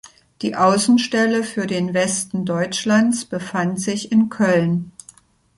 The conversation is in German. Die Außenstelle für den Westen Deutschlands befand sich in Köln.